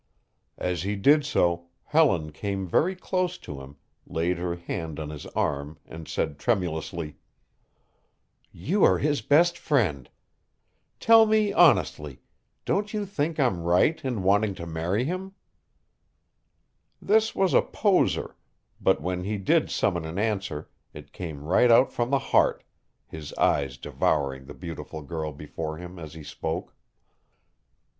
As he did so Helen came very close to him, laid her hand on his arm and said tremulously: "You are his best friend. Tell me honestly, don't you think I'm right in wanting to marry him?" This was a poser, but when he did summon an answer it came right out from the heart, his eyes devouring the beautiful girl before him as he spoke.